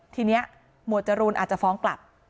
ทีนี้หมวดจรูนอาจจะฟ้องกลับ